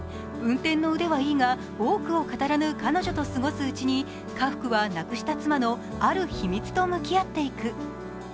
運転の腕はいいが、多くを語らぬ彼女と過ごすうちに、家福は亡くした妻のある秘密と向き合っていく。